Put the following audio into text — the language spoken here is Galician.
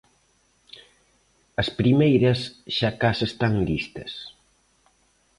As primeiras xa case están listas.